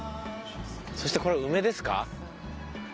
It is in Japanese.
そしてこれ梅ですか？